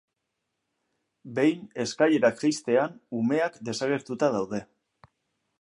Behin, eskailerak jaistean, umeak desagertuta daude.